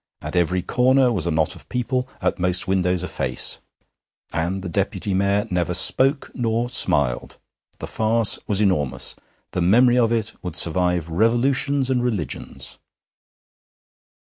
At every corner was a knot of people, at most windows a face. And the Deputy Mayor never spoke nor smiled. The farce was enormous; the memory of it would survive revolutions and religions.